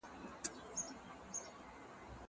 زدکړه د زده کوونکي له خوا کيږي!!